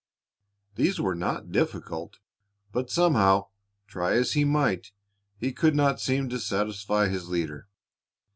These were not difficult, but somehow, try as he might, he could not seem to satisfy his leader.